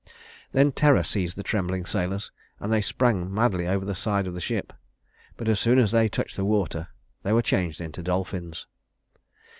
Then terror seized the trembling sailors, and they sprang madly over the side of the ship; but as soon as they touched the water they were changed into dolphins.